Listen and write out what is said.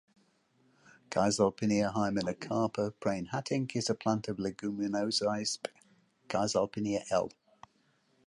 Caesalpinia hymenocarpa (Prain)Hattink is a plant of Leguminosae sp. Caesalpinia L.